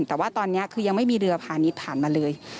แต่ว่าตอนนี้คือยังไม่มีเรือพาณิชย์ผ่านมาเลย